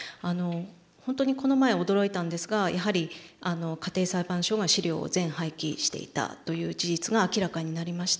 本当にこの前驚いたんですがやはり家庭裁判所が資料を全廃棄していたという事実が明らかになりました。